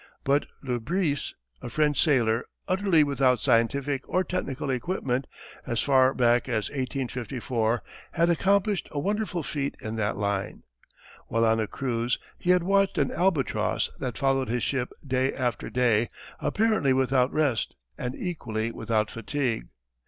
But Le Bris, a French sailor, utterly without scientific or technical equipment, as far back as 1854 had accomplished a wonderful feat in that line. While on a cruise he had watched an albatross that followed his ship day after day apparently without rest and equally without fatigue.